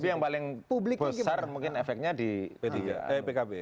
tapi yang paling publik mungkin efeknya di pkb